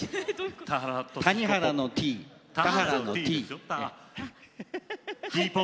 谷原のＴ、田原のＴ。